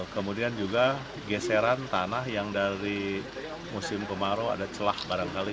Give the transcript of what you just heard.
kemudian juga geseran tanah yang dari musim kemarau ada celah barangkali